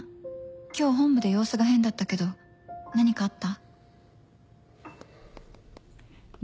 今日本部で様子が変だったけどなにかあった？」